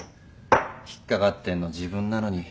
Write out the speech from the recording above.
ひっかかってんの自分なのに。